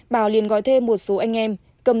bảo liền gói thêm một số anh em